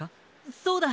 そうだ！